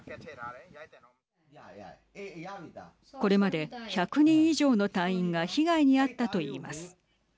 これまで１００人以上の隊員が被害に遭ったと言います。